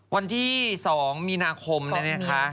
วันที่๒มีนาคมเนี่ยนะคะ